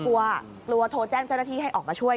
กลัวกลัวโทรแจ้งเจ้าหน้าที่ให้ออกมาช่วย